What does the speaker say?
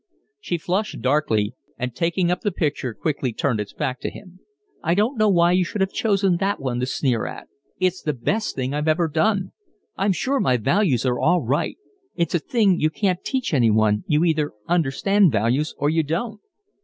She flushed darkly and taking up the picture quickly turned its back to him. "I don't know why you should have chosen that one to sneer at. It's the best thing I've ever done. I'm sure my values are all right. That's a thing you can't teach anyone, you either understand values or you don't."